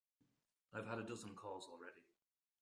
I've had a dozen calls already.